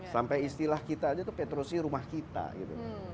sampai istilah kita aja tuh petrosi rumah kita gitu